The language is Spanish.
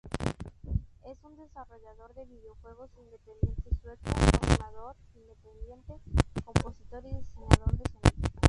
Es un desarrollador de videojuegos independiente sueco, animador independiente, compositor y diseñador de sonidos.